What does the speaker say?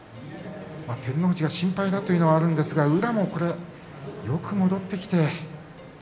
照ノ富士が心配だというのはあるんですが宇良もよく戻ってきて。